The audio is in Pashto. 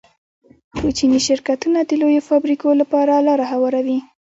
کوچني شرکتونه د لویو فابریکو لپاره لاره هواروي.